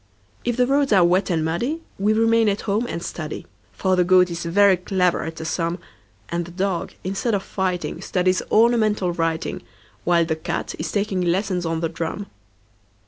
If the roads are wet and muddyWe remain at home and study,—For the Goat is very clever at a sum,—And the Dog, instead of fighting, Studies ornamental writing, While the Cat is taking lessons on the drum.